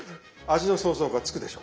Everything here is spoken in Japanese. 味の想像がつくでしょ？